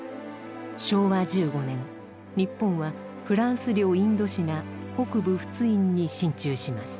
昭和１５年日本はフランス領インドシナ北部仏印に進駐します。